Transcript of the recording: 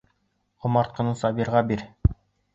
Ҡомартҡыны Сабирға бир.